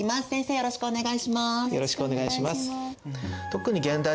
よろしくお願いします。